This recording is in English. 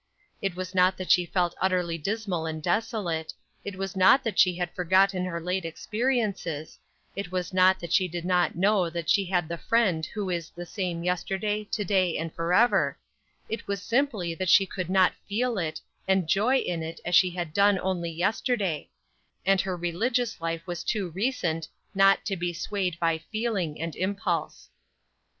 It was not that she felt utterly dismal and desolate; it was not that she had forgotten her late experiences; it was not that she did not know that she had the Friend who is "the same yesterday, to day, and forever;" it was simply that she could not feel it, and joy in it as she had done only yesterday; and her religious life was too recent not to be swayed by feeling and impulse.